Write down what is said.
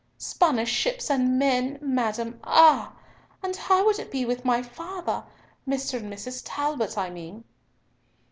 "Spanish ships and men, madam, ah! and how would it be with my father—Mr. and Mrs. Talbot, I mean?"